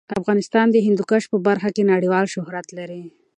افغانستان د هندوکش په برخه کې نړیوال شهرت لري.